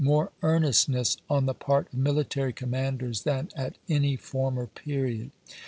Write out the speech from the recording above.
viii. earnestness, on the part of military commanders, than at any former period.